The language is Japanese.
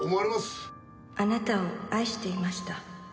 「あなたを愛していました」